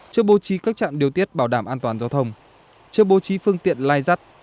chưa bố trí các trạm điều tiết bảo đảm an toàn giao thông chưa bố trí phương tiện lai rắt